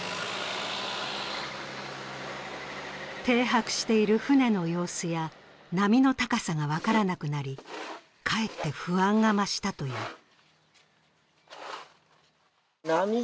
停泊している船の様子や波の高さが分からなくなり、かえって不安が増したという。